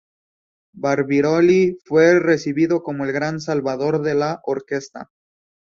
Barbirolli fue recibido como el gran salvador de la orquesta.